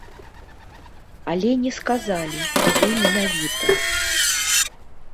Але не сказалі, куды менавіта.